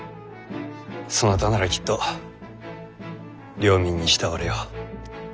そなたならきっと領民に慕われよう。